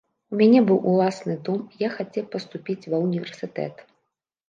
У мяне быў уласны дом, я хацеў паступіць ва ўніверсітэт.